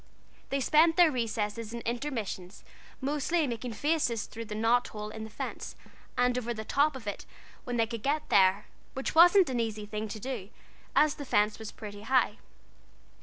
They spent their recesses and intermissions mostly in making faces through the knot holes in the fence, and over the top of it when they could get there, which wasn't an easy thing to do, as the fence was pretty high.